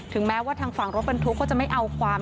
ถึงแม้ว่าทางฝั่งรถเป็นทุกข์ก็จะไม่เอาความ